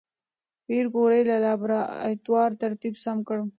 پېیر کوري د لابراتوار ترتیب سم کړ.